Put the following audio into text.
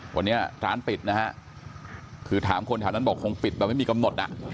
วันนี้ร้านปิดนะฮะคือถามคนแถวนั้นบอกคงปิดแบบไม่มีกำหนดอ่ะ